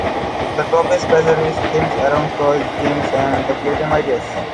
The Topaz Passage is themed around toys, games, and other "playtime" ideas.